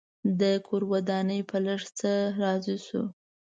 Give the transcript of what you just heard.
ده کور ودان په لږ څه راضي شو.